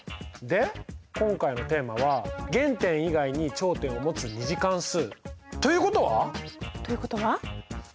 で今回のテーマは「原点以外に頂点をもつ２次関数」ということは。ということは？